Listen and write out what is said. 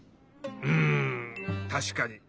うんたしかに。